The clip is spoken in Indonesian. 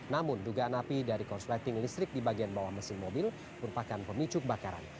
namun dugaan api dari konsleting listrik di bagian bawah mesin mobil merupakan pemicu kebakaran